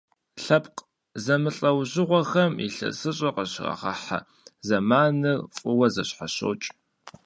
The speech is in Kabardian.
Лъэпкъ зэмылӀэужьыгъуэхэм ИлъэсыщӀэр къыщрагъэхьэ зэманыр фӀыуэ зэщхьэщокӀ.